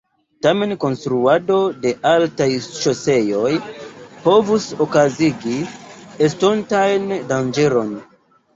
Tamen konstruado de altaj ŝoseoj povus okazigi estontajn danĝeron.